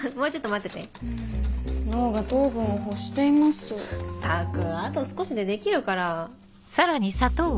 ったくあと少しで出来るから。